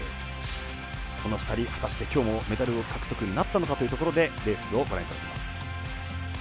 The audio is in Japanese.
この２人果たしてきょうもメダルを獲得なったのかというところでレースをご覧いただきます。